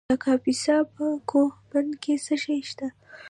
د کاپیسا په کوه بند کې څه شی شته؟